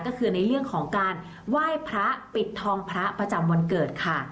ก็คือในเรื่องของการไหว้พระปิดทองพระประจำวันเกิดค่ะ